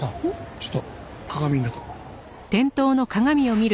ちょっと鏡の中。